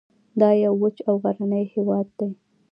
دا یو وچ او غرنی هیواد دی